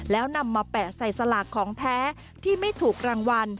แล้วนำมาแปะใส่สลากของแท้ที่ไม่ถูกรางวัล